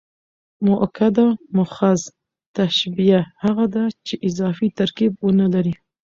مؤکده محض تشبیه هغه ده، چي اضافي ترکیب و نه لري.